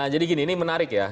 jadi gini ini menarik ya